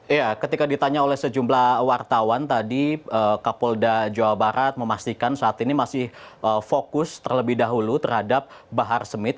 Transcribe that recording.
ya ketika ditanya oleh sejumlah wartawan tadi kapolda jawa barat memastikan saat ini masih fokus terlebih dahulu terhadap bahar smith